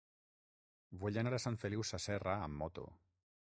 Vull anar a Sant Feliu Sasserra amb moto.